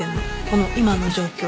この今の状況。